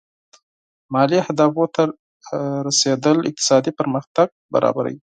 مالي اهدافو ته رسېدل اقتصادي پرمختګ تضمینوي.